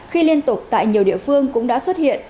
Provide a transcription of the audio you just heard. khi liên tục tại nhiều địa phương cũng đã xuất hiện